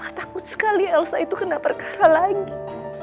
ah takut sekali elsa itu kena perkara lagi